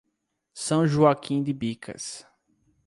São Joaquim de Bicas